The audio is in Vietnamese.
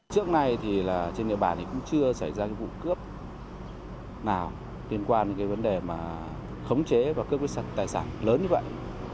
trước nay thì trên địa bàn thì cũng chưa xảy ra vụ cướp nào liên quan đến vấn đề khống chế và cướp tài sản lớn như vậy